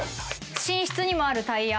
寝室にもあるタイヤ。